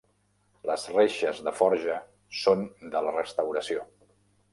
Les reixes de forja són de la restauració.